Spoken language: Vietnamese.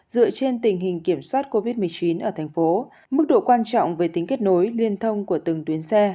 dựa trên tình hình kiểm soát covid một mươi chín ở thành phố mức độ quan trọng về tính kết nối liên thông của từng tuyến xe